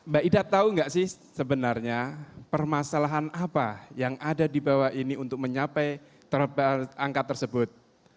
mbak ida tahu nggak sih sebenarnya permasalahan apa yang ada di bawah ini untuk mencapai angka tersebut